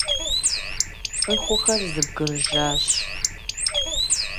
ЦӀыхухэр зэбгрыжащ.